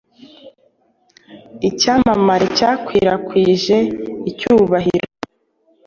Icyamamare cyakwirakwije icyubahiro